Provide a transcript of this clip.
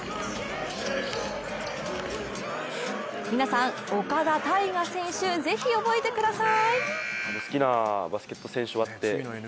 皆さん岡田大河選手、ぜひ覚えてください。